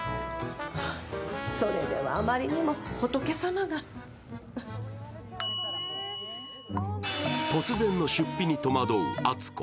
ふっ、それではあまりにも仏様が突然の出費に戸惑う篤子。